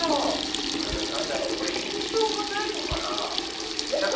だから印象がないのかな。